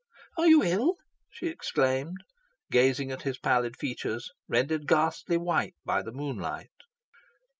"Are you ill?" she exclaimed, gazing at his pallid features, rendered ghastly white by the moonlight.